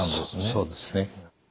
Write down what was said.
そうですね。